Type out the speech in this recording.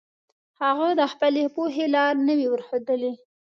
هغه د خپلې پوهې لار نه وي ورښودلي.